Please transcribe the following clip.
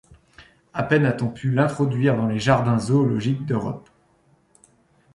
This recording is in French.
À peine a-t-on pu l’introduire dans les jardins zoologiques d’Europe.